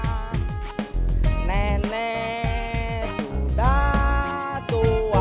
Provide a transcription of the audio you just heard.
aku makasih diminta